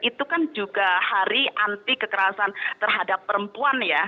itu kan juga hari anti kekerasan terhadap perempuan ya